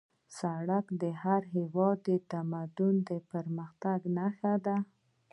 سړک د هر هېواد د تمدن او پرمختګ نښه ده